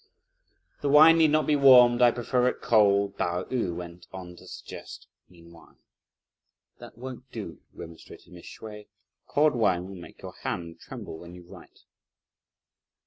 "The wine need not be warmed: I prefer it cold!" Pao yü went on to suggest meanwhile. "That won't do," remonstrated Mrs. Hsüeh; "cold wine will make your hand tremble when you write."